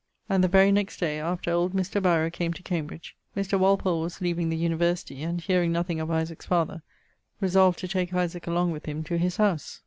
And the very next day after old Mr. Barrow came to Cambridge, Mr. Walpole was leaving the University and (hearing nothing of Isaac's father) resolved to take Isaac along with him to his howse.